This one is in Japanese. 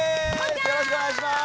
よろしくお願いします。